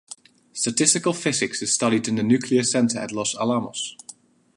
Statistical physics is studied in the nuclear center at Los Alamos.